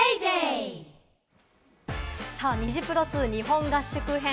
ニジプロ２、日本合宿編。